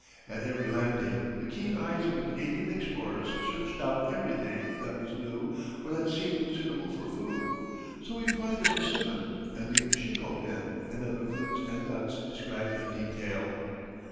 At every landing the keen eyes of the Canadian explorers searched out everything that was new or that seemed suitable for food; so we find the persimmon and the chicopin and other fruits and nuts described in detail.